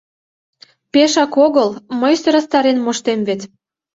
— Пешак огыл, мый сӧрастарен моштем вет...